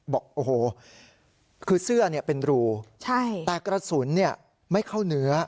บอกโอ้โหคือเสื้อเนี่ยเป็นรูใช่แต่กระสุนเนี่ยไม่เข้าเหนือ